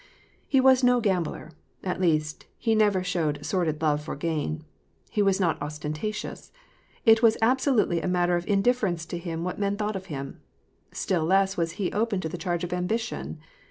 He was no gambler ; at least, he never showed sordid love for gain. He was not ostentatious. It was absolutely a matter of indifference to him what men thought of him. Still less was he open to the charge of ambition.